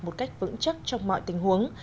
một cách vững chắc trong mọi tình huống